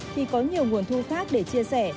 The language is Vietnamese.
thì có nhiều nguồn thu khác để chia sẻ